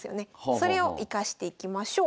それを生かしていきましょう。